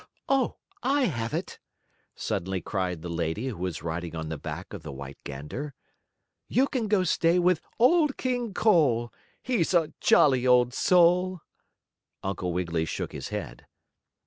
Oh, I have it!" suddenly cried the lady who was riding on the back of the white gander, "you can go stay with Old King Cole! He's a jolly old soul!" Uncle Wiggily shook his head.